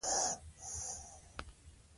مادیات او معنویات باید انډول وي.